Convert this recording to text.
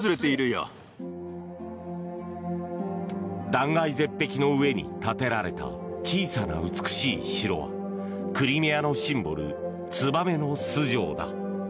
断崖絶壁の上に建てられた小さな美しい城はクリミアのシンボルツバメの巣城だ。